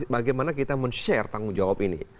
bagaimana kita men share tanggung jawab ini